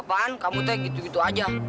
eh apaan kamu teh gitu gitu aja